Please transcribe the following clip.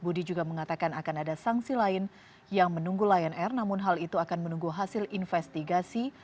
budi juga mengatakan akan ada sanksi lain yang menunggu lion air namun hal itu akan menunggu hasil investigasi